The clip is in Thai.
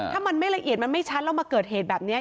ถ้ามันไม่ละเอียดมันไม่ชัดแล้วมาเกิดเหตุแบบนี้